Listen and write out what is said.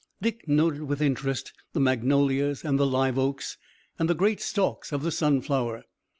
Dick noted with interest the magnolias and the live oaks, and the great stalks of the sunflower.